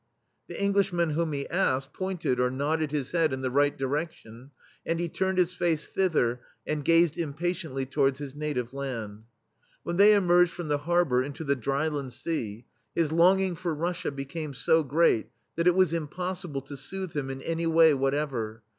The Englishman whom he asked pointed or nodded his head in the right direction, and he turned his face thitlier and gazed impatiently towards his na tive land. When they emerged from the har bor into the Dryland Sea, his longing for Russia became so great that it was impossible to soothe him in any way whatever.